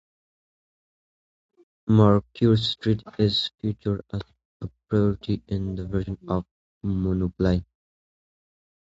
Macquarie Street is featured as a property in the version of Monopoly.